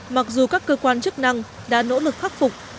mặc dù các cơ quan chức năng đã nỗ lực khắc phục